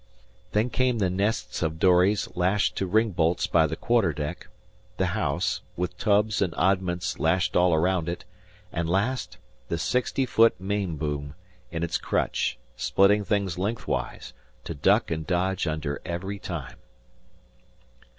Then came the nests of dories lashed to ring bolts by the quarter deck; the house, with tubs and oddments lashed all around it; and, last, the sixty foot main boom in its crutch, splitting things length wise, to duck and dodge under every time.